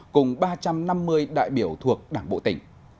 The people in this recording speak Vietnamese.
cùng ba trăm năm mươi đại biểu thuộc đảng bộ tỉnh